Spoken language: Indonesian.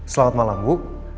selamat malam bu